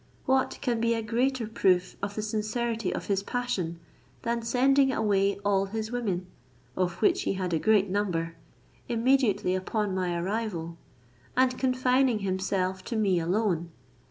What can be a greater proof of the sincerity of his passion, than sending away all his women (of which he had a great number) immediately upon my arrival, and confining himself to me alone?